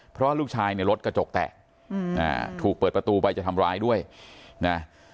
เพราะลูกชายเนี่ยรถกระจกแตกถูกเปิดประตูไปจะทำร้ายด้วยนะ